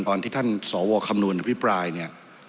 ตอนที่ท่านสวคำนวณอภิปรายเนี่ย